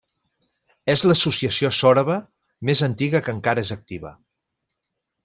És l'associació sòraba més antiga que encara és activa.